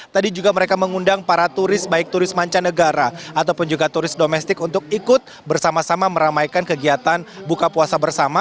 tadi juga mereka mengundang para turis baik turis mancanegara ataupun juga turis domestik untuk ikut bersama sama meramaikan kegiatan buka puasa bersama